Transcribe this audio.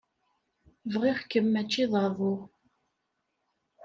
Bɣiɣ-kem mačči d aḍu.